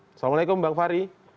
assalamualaikum bang fahri